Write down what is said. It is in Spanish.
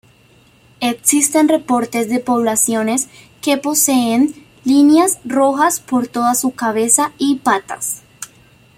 Existen reportes de poblaciones que poseen líneas rojas por toda su cabeza y patas.